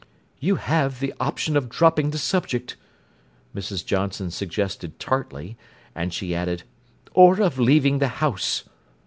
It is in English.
"You have the option of dropping the subject," Mrs. Johnson suggested tartly, and she added: "Or of leaving the house."